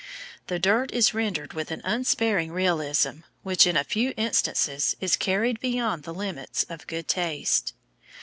The dirt is rendered with an unsparing realism which, in a few instances, is carried beyond the limits of good taste.